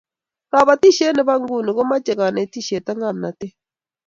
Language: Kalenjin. kabatisiet nebo ng'uni komache kanetishiet ak ngamnatet